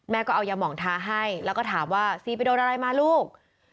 ก็เอายาหมองทาให้แล้วก็ถามว่าซีไปโดนอะไรมาลูก